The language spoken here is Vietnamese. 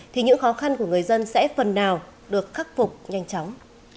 thì những khó khăn của người dân sẽ phần nào được khắc phục nhanh chóng